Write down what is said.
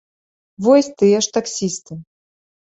Вось тыя ж таксісты.